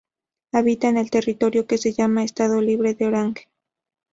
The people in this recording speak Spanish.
Habita en el territorio que se llamaba Estado Libre de Orange.